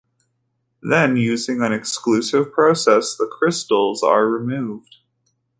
Then using an exclusive process, the crystals are removed.